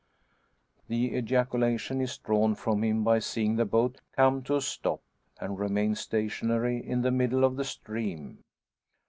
The ejaculation is drawn from him by seeing the boat come to a stop, and remain stationary in the middle of the stream.